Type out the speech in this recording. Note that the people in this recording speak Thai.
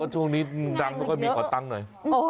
ช่วงนี้ดำมันก็มีกว่าตั้งหน่อย